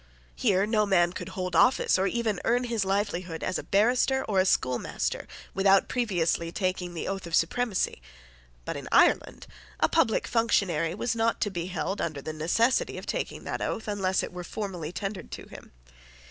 Here no man could hold office, or even earn his livelihood as a barrister or a schoolmaster, without previously taking the oath of supremacy, but in Ireland a public functionary was not held to be under the necessity of taking that oath unless it were formally tendered to him.